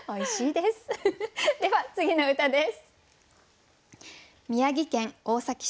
では次の歌です。